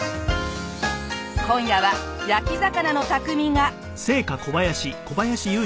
今夜は焼き魚の匠が。